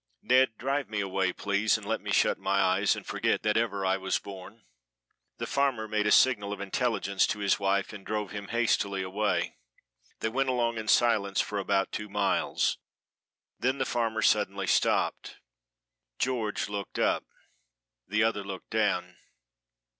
Ned, drive me away, please, and let me shut my eyes and forget that ever I was born." The farmer made a signal of intelligence to his wife and drove him hastily away. They went along in silence for about two miles. Then the farmer suddenly stopped. George looked up, the other looked down.